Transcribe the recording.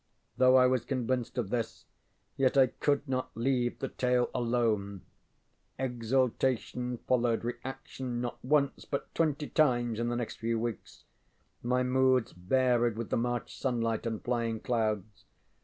Though I was convinced of this, yet I could not leave the tale alone. Exaltation followed reaction, not once, but twenty times in the next few weeks. My moods varied with the March sunlight and flying clouds.